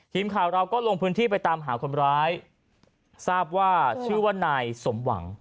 ทีมข่าวเราก็ลงพื้นที่ไปตามหาคนร้ายทราบว่าชื่อว่านายสมหวัง